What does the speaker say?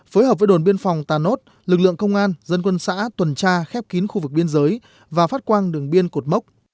phối hợp với đồn biên phòng tà nốt lực lượng công an dân quân xã tuần tra khép kín khu vực biên giới và phát quang đường biên cột mốc